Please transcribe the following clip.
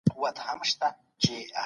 د راتلونکي لپاره پلان جوړول ضروري دي.